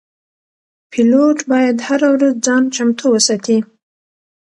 پیلوټ باید هره ورځ ځان چمتو وساتي.